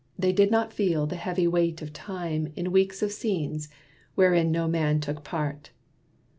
They did not feel the heavy weight of time In weeks of scenes wherein no man took part.